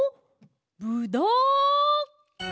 ぶどう！